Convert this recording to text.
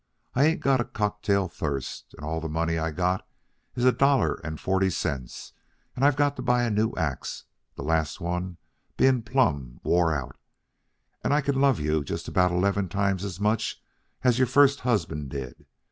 I ain't got a cocktail thirst, and all the money I got is a dollar and forty cents and I've got to buy a new ax, the last one being plumb wore out, and I can love you just about eleven times as much as your first husband did.